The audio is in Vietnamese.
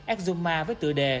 exuma với tựa đề